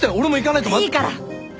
いいから。